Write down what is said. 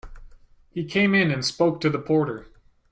He came in and spoke to the porter.